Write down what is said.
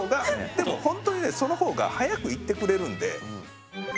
でも本当にねそのほうが早く行ってくれるんで。